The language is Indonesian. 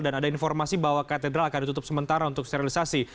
dan ada informasi bahwa katedral akan ditutup sementara untuk sterilisasi